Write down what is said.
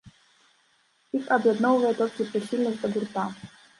Іх аб'ядноўвае толькі прыхільнасць да гурта.